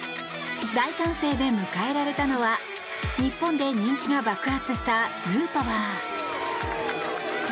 大歓声で迎えられたのは日本で人気が爆発したヌートバー。